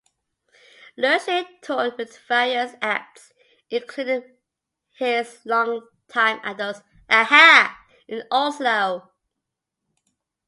Lerche toured with various acts, including his long-time idols, a-ha, in Oslo.